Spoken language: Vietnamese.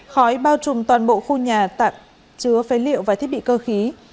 khói bao trùm toàn bộ khu nhà tạm chứa phế liệu và thiết bị cơ khí